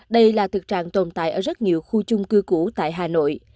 đây là thực trạng tồn tại ở rất nhiều khu chung cư cũ tại hà nội